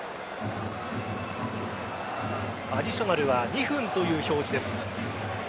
アディショナルは２分という表示です。